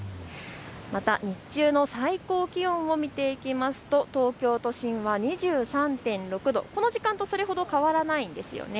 また日中の最高気温を見ていきますと東京都心は２３．６度、この時間とそれほど変わらないんですよね。